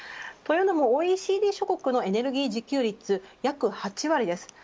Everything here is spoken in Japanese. というのもＯＥＣＤ諸国のエネルギー自給率は約８割です。